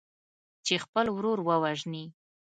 چې خپل ورور ووژني.